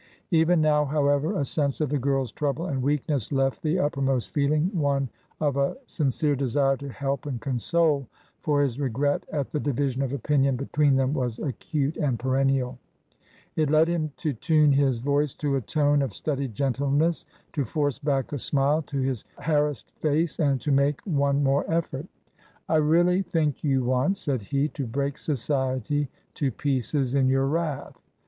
Even now, however, a sense of the girl's trouble and weakness left the uppermost feeling one of a sincere desire to help and console, for his regret at the division of opinion between them was acute and perennial. It led him to tune his voice to a tone of studied gentleness, to force back a smile to his harassed face, and to make one more effort " I really think you want," said he, " to break Society to pieces in your wrath.